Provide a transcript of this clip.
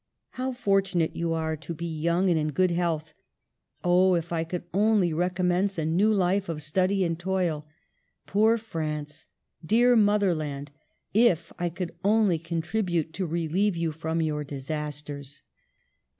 How fortunate you are to be young and in good health ! Oh, if I could only recom mence a new life of study and toil! Poor France! Dear mother land! If I could only contribute to relieve you from your disasters!"